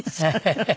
ハハハハ。